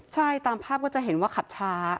ใช่ตามภาพก็จะเห็นว่าขับช้า